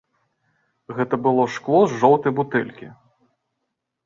Гэта было шкло з жоўтай бутэлькі.